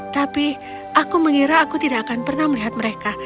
tapi aku mengira aku tidak akan pernah melihat mereka